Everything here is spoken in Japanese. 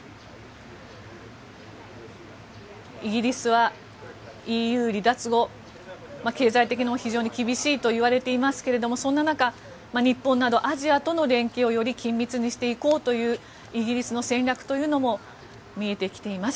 イギリスはＥＵ離脱後経済的にも非常に厳しいといわれていますがそんな中、日本などアジアとの連携をより緊密にしていこうというイギリスの戦略というのも見えてきています。